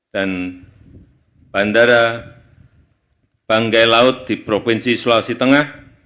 dan bandara panggai laut di provinsi sulawesi tengah